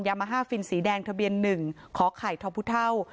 ยามาฮาฟิลสีแดงทะเบียนหนึ่งขอไข่ทอพุท่าว